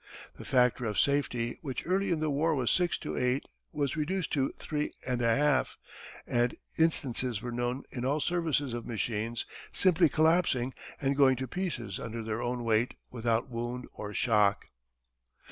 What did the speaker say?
The factor of safety which early in the war was six to eight was reduced to three and a half, and instances were known in all services of machines simply collapsing and going to pieces under their own weight without wound or shock.